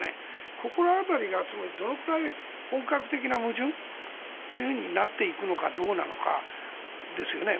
ここら辺りがどれくらい本格的な矛盾となっていくのかどうなのかですよね。